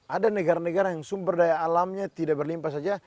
ada negara negara yang sumber daya alamnya tidak berlimpah saja